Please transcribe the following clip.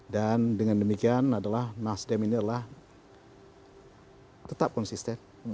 dan dengan demikian adalah nasdem ini adalah tetap konsisten